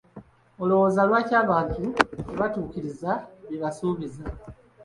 Olowooza lwaki abantu tebatuukiriza bye basuubiza?